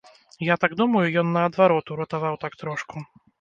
Я так думаю, ён, наадварот, уратаваў так трошку.